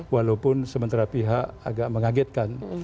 walaupun sementara pihak agak mengagetkan